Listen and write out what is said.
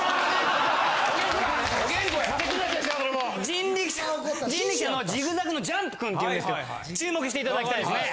人力舎のじぐざぐのジャンプくんっていうんですけど注目していただきたいですね。